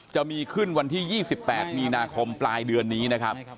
จะมีขึ้นวันที่๒๘มีนาคมปลายเดือนนี้นะครับ